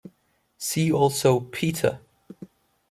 See also Peter.